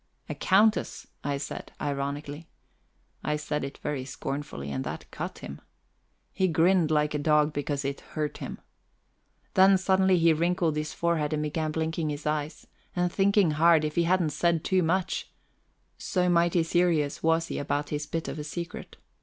"A countess," I said ironically. I said it very scornfully, and that cut him. He grinned like a dog because it hurt him. Then suddenly he wrinkled his forehead and began blinking his eyes, and thinking hard if he hadn't said too much so mighty serious was he about his bit of a secret.